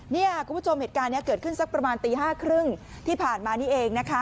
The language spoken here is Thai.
เนี่ยคุณผู้ชมเหตุการณ์นี้เกิดขึ้นสักประมาณตี๕๓๐ที่ผ่านมานี่เองนะคะ